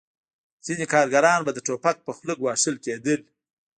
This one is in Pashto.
ځینې کارګران به د ټوپک په خوله ګواښل کېدل